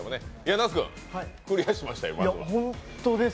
那須君、クリアしましたよ、まずは。